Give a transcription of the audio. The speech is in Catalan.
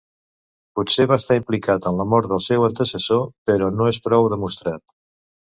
Potser va estar implicat en la mort del seu antecessor, però no és prou demostrat.